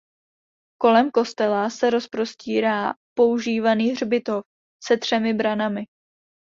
Kolem kostela se rozprostírá používaný hřbitov se třemi branami.